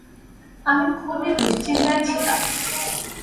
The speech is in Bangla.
আমি খুবই দুশ্চিন্তায় ছিলাম।